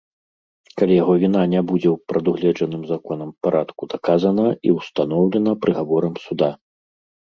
Калі яго віна не будзе ў прадугледжаным законам парадку даказана і ўстаноўлена прыгаворам суда.